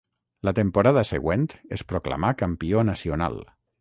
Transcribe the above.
La temporada següent es proclamà campió nacional.